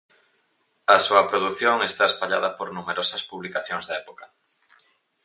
A súa produción está espallada por numerosas publicacións da época.